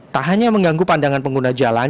tak hanya mengganggu pandangan pengguna jalan